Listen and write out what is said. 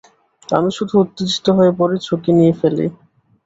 আমি শুধু উত্তেজিত হয়ে পড়ে ঝুঁকি নিয়ে ফেলি।